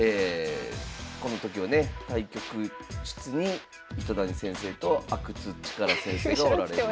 この時はね対局室に糸谷先生と阿久津主税先生がおられる。